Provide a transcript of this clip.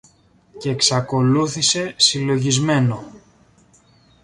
κι εξακολούθησε συλλογισμένο